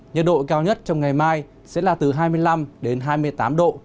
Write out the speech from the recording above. nhiệt độ cao nhất trong ngày mai sẽ là từ hai mươi năm đến hai mươi tám độ